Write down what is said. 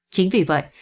chính vì vậy